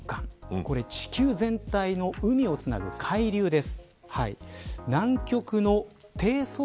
これ地球全体の海をつなぐ海流です。